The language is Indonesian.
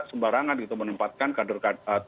sembarangan menempatkan kader kadernya